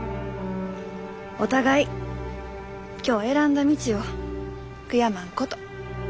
お互い今日選んだ道を悔やまんこと。